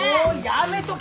やめとけ。